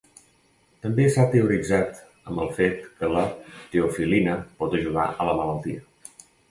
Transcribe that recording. També s"ha teoritzat amb el fet que la teofilina pot ajudar a la malaltia.